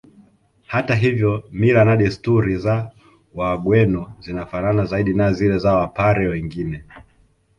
Hata hivyo mila na desturi za Wagweno zinafanana zaidi na zile za Wapare wengine